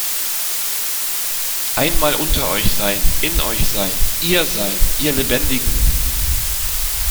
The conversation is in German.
Einmal unter euch sein, in euch sein, ihr sein, ihr Lebendigen!